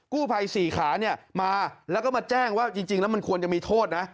กู้ภัยสี่ขาเนี่ยมาแล้วก็มาแจ้งว่าจริงแล้วมันควรจะมีโทษนะ